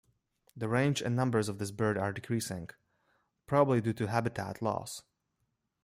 The range and numbers of this bird are decreasing, probably due to habitat loss.